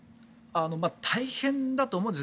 大変だと思うんです。